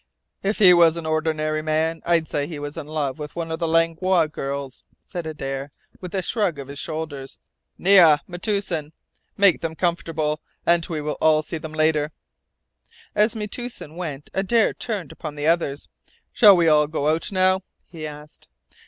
"If he was an ordinary man, I'd say he was in love with one of the Langlois girls," said Adare, with a shrug of his shoulders. "Neah, Metoosin! Make them comfortable, and we will all see them later." As Metoosin went Adare turned upon the others: "Shall we all go out now?" he asked.